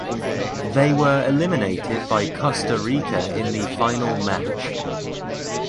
They were eliminated by Costa Rica in the final match.